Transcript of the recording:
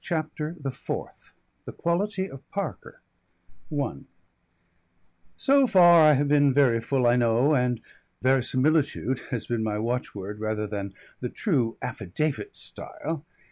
CHAPTER THE FOURTH THE QUALITY OF PARKER I So far I have been very full, I know, and verisimilitude has been my watchword rather than the true affidavit style.